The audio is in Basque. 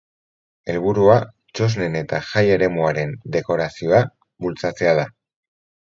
Helburua txosnen eta jai-eremuaren dekorazioa bultzatzea da.